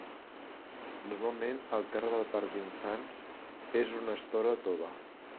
Normalment, el terra del parc d'infants és una estora tova.